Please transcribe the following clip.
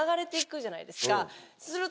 すると。